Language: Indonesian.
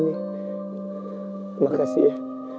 mau lepasin gak